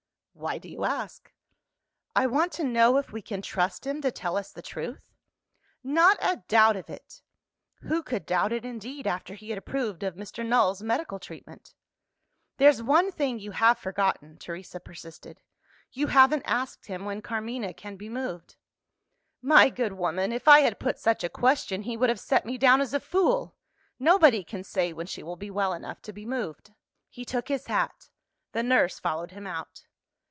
"Why do you ask?" "I want to know if we can trust him to tell us the truth?" "Not a doubt of it!" (Who could doubt it, indeed, after he had approved of Mr. Null's medical treatment?) "There's one thing you have forgotten," Teresa persisted. "You haven't asked him when Carmina can be moved." "My good woman, if I had put such a question, he would have set me down as a fool! Nobody can say when she will be well enough to be moved." He took his hat. The nurse followed him out.